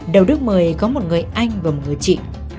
đậu đức một mươi có một người anh và một người chị